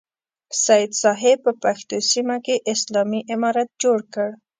سید صاحب په پښتنو سیمه کې اسلامي امارت جوړ کړ.